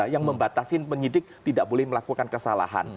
yang membatasin penyidik tidak boleh melakukan kesalahan